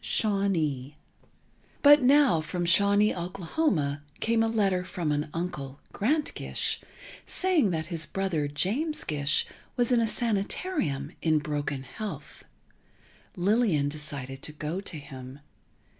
XV SHAWNEE But now from Shawnee, Oklahoma, came a letter from an uncle, Grant Gish, saying that his brother, James Gish, was in a sanitarium, in broken health. Lillian decided to go to him.